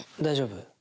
「大丈夫？」